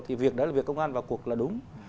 thì việc đó là việc công an vào cuộc là đúng